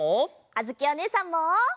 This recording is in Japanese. あづきおねえさんも！